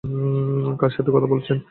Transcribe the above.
কার সাথে কথা বলছেন?